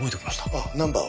ああナンバーを。